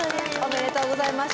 ありがとうございます。